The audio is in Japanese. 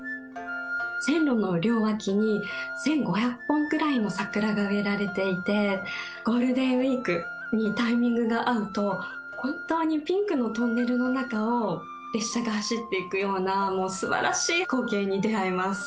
線路の両脇に１５００本くらいの桜が植えられていてゴールデンウィークにタイミングが合うと本当にピンクのトンネルの中を列車が走っていくようなもう素晴らしい光景に出会えます。